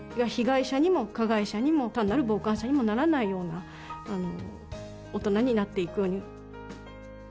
被害者にも加害者にも、単なる傍観者にもならないような大人になっていくように。